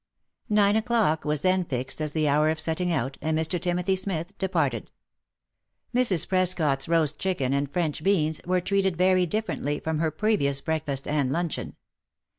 Nine o'clock was then fixed as the hour of setting out, and Mr. Timothy Smith departed. Mrs. Prescot's roast chicken and French beans were treated very differently from her previous breakfast and luncheon.